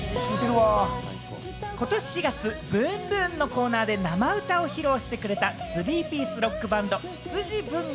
ことし４月、ｂｏｏｍｂｏｏｍのコーナーで生歌を披露してくれたスリーピースロックバンド、羊文学。